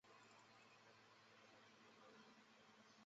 皮尼亚克。